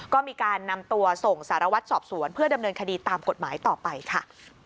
ก็มีการนำตัวส่งสารวัตรสอบสวนเพื่อดำเนินคดีตามกฎหมายต่อไปค่ะ